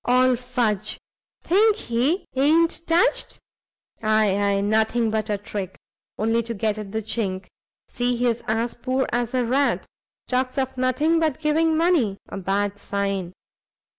"All fudge! think he i'n't touched? ay, ay; nothing but a trick! only to get at the chink: see he's as poor as a rat, talks of nothing but giving money; a bad sign!